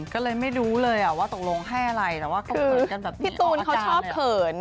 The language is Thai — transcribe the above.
ก็เลยไม่รู้เลยว่าตกลงให้อะไรแต่ว่าเขาเขินกันแบบพี่ตูนเขาชอบเขิน